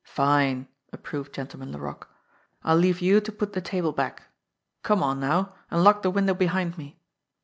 "Fine!" approved Gentleman Laroque. "I'll leave you to put the table back. Come on now, and lock the window behind me."